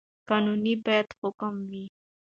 قانون باید حاکم وي.